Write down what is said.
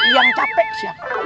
yang capek siapa